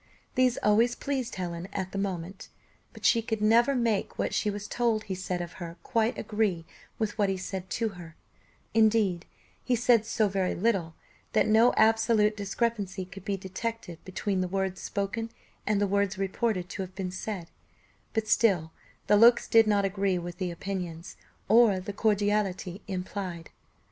These always pleased Helen at the moment, but she could never make what she was told he said of her quite agree with what he said to her: indeed, he said so very little, that no absolute discrepancy could be detected between the words spoken and the words reported to have been said; but still the looks did not agree with the opinions, or the cordiality implied.